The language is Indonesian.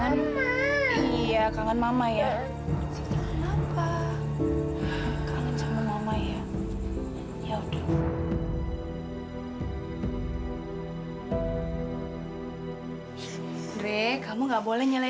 nggak ada dewi